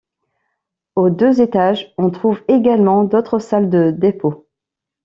Aux deux étages, on trouve également d'autres salles de dépôt.